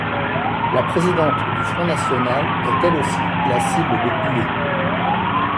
La présidente du Front national est, elle aussi, la cible de huées.